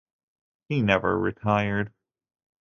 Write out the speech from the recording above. He never retired.